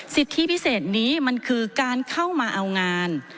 สิทธิพิเศษนี้มันคือการเข้ามาเอางาน